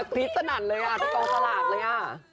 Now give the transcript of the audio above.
คลิปสนัดเลยต้องขลาดเลย